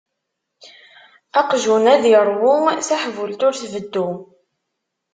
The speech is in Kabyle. Aqjun ad iṛwu, taḥbult ur tbeddu.